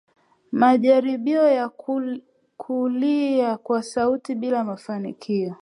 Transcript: Majaribio ya kulia kwa sauti bila mafanikio